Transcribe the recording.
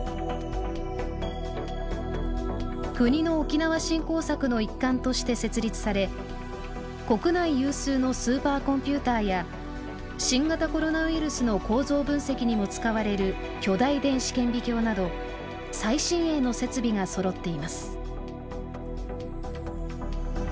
国の沖縄振興策の一環として設立され国内有数のスーパーコンピューターや新型コロナウイルスの構造分析にも使われる巨大電子顕微鏡など最新鋭の設備がそろっています。